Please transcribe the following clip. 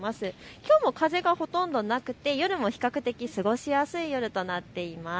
きょうも風がほとんどなくて夜も比較的過ごしやすい夜となっています。